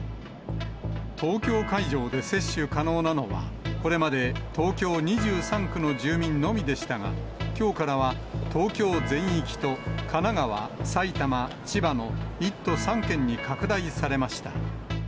東京会場で接種可能なのは、これまで東京２３区の住民のみでしたが、きょうからは東京全域と、神奈川、埼玉、千葉の１都３県に拡大されました。